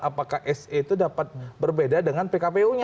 apakah se itu dapat berbeda dengan pkpu nya